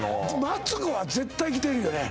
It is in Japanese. マツコは絶対来てるよね